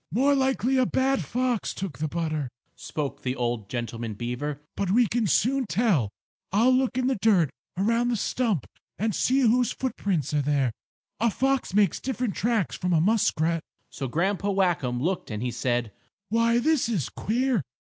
"More likely a bad fox took the butter," spoke the old gentleman beaver. "But we can soon tell. I'll look in the dirt around the stump and see whose footprints are there. A fox makes different tracks from a muskrat." So Grandpa Whackum looked and he said: "Why, this is queer.